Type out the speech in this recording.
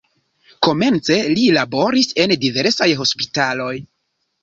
Komence li laboris en diversaj hospitaloj.